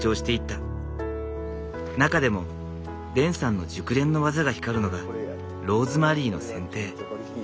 中でもデンさんの熟練の技が光るのがローズマリーの剪定。